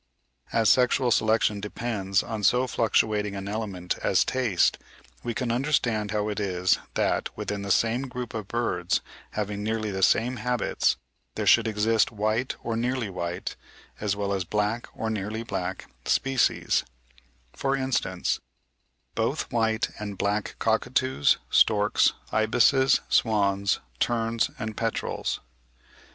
As sexual selection depends on so fluctuating an element as taste, we can understand how it is that, within the same group of birds having nearly the same habits, there should exist white or nearly white, as well as black, or nearly black species,—for instance, both white and black cockatoos, storks, ibises, swans, terns, and petrels.